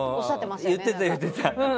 言ってた、言ってた。